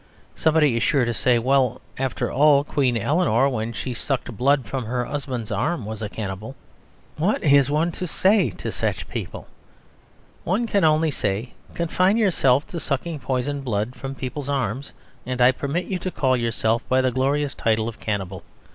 Somebody is sure to say "Well, after all, Queen Eleanor when she sucked blood from her husband's arm was a cannibal." What is one to say to such people? One can only say "Confine yourself to sucking poisoned blood from people's arms, and I permit you to call yourself by the glorious title of Cannibal."